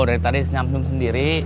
dari tadi senyum senyum sendiri